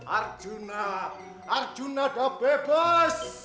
arjuna arjuna udah bebas